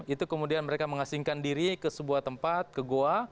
itu kemudian mereka mengasingkan diri ke sebuah tempat ke goa